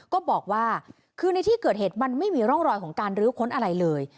ก็บอกว่าคือในที่เกิดเหตุมันไม่มีร่องรอยของการรื้อค้นอะไรเลย